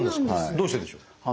どうしてでしょう？